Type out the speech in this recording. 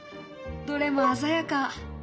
どれも鮮やか。